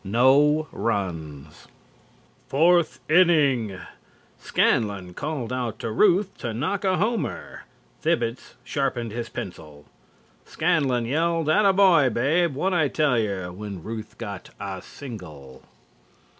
NO RUNS. FOURTH INNING: Scanlon called out to Ruth to knock a homer, Thibbets sharpened his pencil. Scanlon yelled: "Atta boy, Babe, whad' I tell yer!" when Ruth got a single.